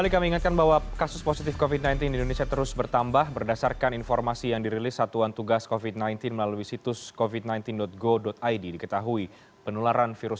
cnn indonesia breaking news